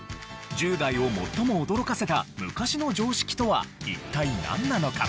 １０代を最も驚かせた昔の常識とは一体なんなのか？